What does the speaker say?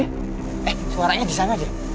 eh suaranya di sana aja